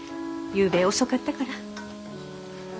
ゆうべ遅かったから。